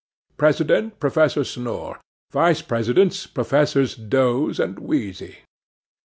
President—Professor Snore. Vice Presidents—Professors Doze and Wheezy.